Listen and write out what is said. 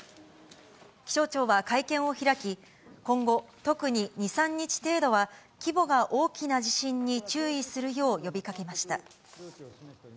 気象庁は会見を開き、今後、特に２、３日程度は、規模が大きな地震に注意するよう呼びかけました。